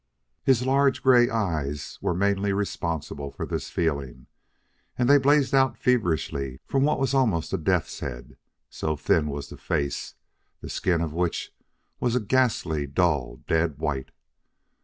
His large gray eyes were mainly responsible for this feeling, and they blazed out feverishly from what was almost a death's head, so thin was the face, the skin of which was a ghastly, dull, dead white.